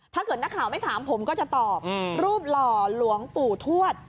ถ้าเกิดนักข่าวไม่ถามผมก็จะตอบรูปหล่อหลวงปู่ทวด